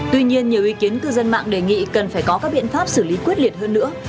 tuy nhiên nhiều ý kiến cư dân mạng đề nghị cần phải có các biện pháp xử lý quyết liệt hơn nữa